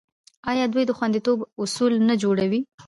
آیا دوی د خوندیتوب اصول نه جوړوي؟